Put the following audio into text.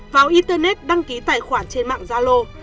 vào internet đăng ký tài khoản trên mạng zalo